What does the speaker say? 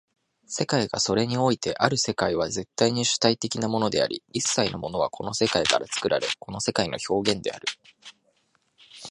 世界がそれにおいてある世界は絶対に主体的なものであり、一切のものはこの世界から作られ、この世界の表現である。